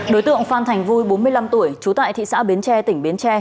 đối tượng phan thành vui bốn mươi năm tuổi trú tại thị xã bến tre tỉnh bến tre